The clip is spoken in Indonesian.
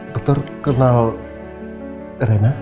dokter kenal rina